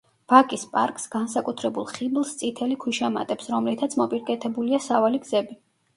ვაკის პარკს განსაკუთრებულ ხიბლს წითელი ქვიშა მატებს, რომლითაც მოპირკეთებულია სავალი გზები.